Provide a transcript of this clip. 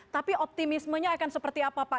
tapi optimismenya akan seperti apa pak